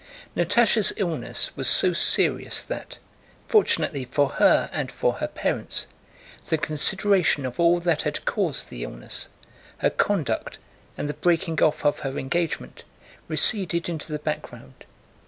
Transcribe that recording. Natásha's illness was so serious that, fortunately for her and for her parents, the consideration of all that had caused the illness, her conduct and the breaking off of her engagement, receded into the background.